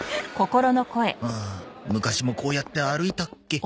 ああ昔もこうやって歩いたっけ